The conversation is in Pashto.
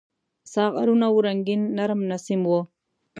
ساغرونه وو رنګین ، نرم نسیم و